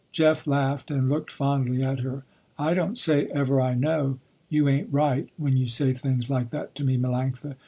Jeff laughed and looked fondly at her. "I don't say ever I know, you ain't right, when you say things like that to me, Melanctha.